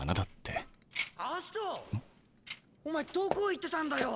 お前どこ行ってたんだよ！？